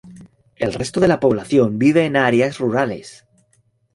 El resto de la población vive en áreas rurales.